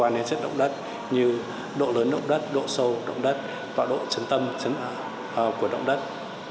nên chất động đất như độ lớn động đất độ sâu động đất và độ trấn tâm của động đất